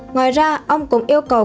ngoài ra ông cũng yêu cầu